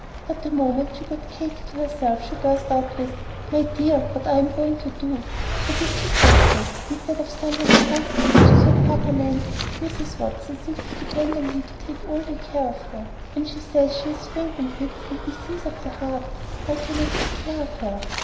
But the moment she got Katy to herself, she burst out with, "My dear, what am I going to do? It's really too dreadful. Instead of some one to help me, which is what papa meant, Mrs. Watson seems to depend on me to take all the care of her; and she says she has fainting fits and disease of the heart! How can I take care of her?